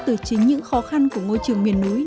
từ chính những khó khăn của ngôi trường miền núi